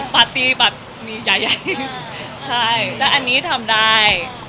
ปาร์ตี้แบบมีใหญ่ใช่แต่อันนี้ทำได้